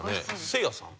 せいやさん。